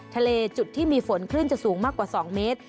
ทะเลจุดที่มีฝนคลื่นจะสูงมากกว่า๒เมตร